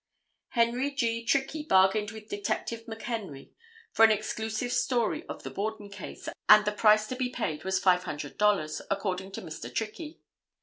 Henry G. Trickey bargained with Detective McHenry for an exclusive story of the Borden case and the price to be paid was $500, according to Mr. Trickey.